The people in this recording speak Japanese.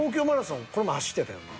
この前走ってたよな。